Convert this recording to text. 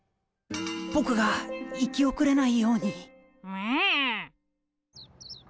僕が行き遅れないように。